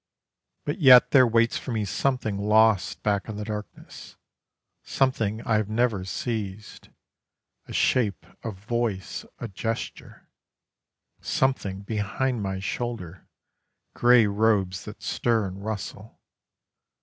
But yet there waits for me something lost back in the darkness: Something I have never seized: a shape, a voice, a gesture, Something behind my shoulder: grey robes that stir and rustle.